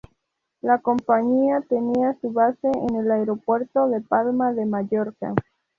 La compañía tenía su base en el aeropuerto de Palma de Mallorca.